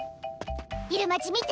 入間ち見て！